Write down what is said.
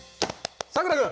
さくら君！